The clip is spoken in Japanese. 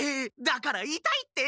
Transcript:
だからいたいって！